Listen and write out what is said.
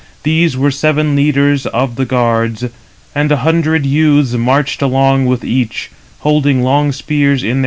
There were seven leaders of the guards, and a hundred youths marched along with each, holding long spears in their hands.